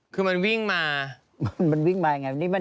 คือมันวิ่งมา